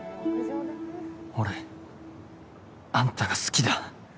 俺、あんたが好きだ。